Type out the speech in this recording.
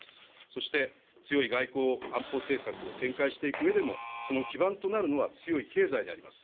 そして、強い外交安保政策を展開していくうえでも、その基盤となるのは、強い経済であります。